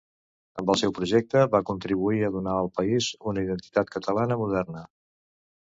Amb el seu projecte, va contribuir a donar al país una identitat catalana moderna.